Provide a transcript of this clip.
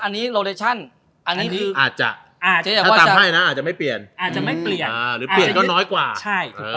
อันนี้โลเจชั่นอาจจะไม่เปลี่ยนหรือเปลี่ยนก็น้อยกว่า